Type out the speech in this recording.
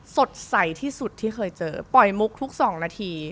สดใสที่สุดที่เคยเจอปล่อยมุกทุก๒นาที